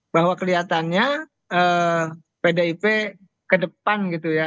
bahwa kelihatannya pdip ke depan gitu ya